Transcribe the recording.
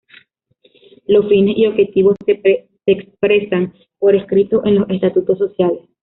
Los fines y objetivos se expresan por escrito en los estatutos sociales.